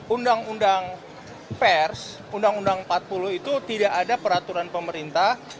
undang undang pers undang undang empat puluh itu tidak ada peraturan pemerintah